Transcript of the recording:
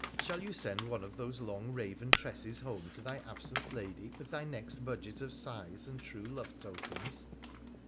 Shall you send one of those long raven tresses home to thy absent lady with thy next budget of sighs and true love tokens